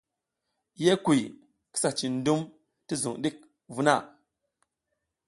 Ye kuy, kisa cin dum ti zung ɗik vuna.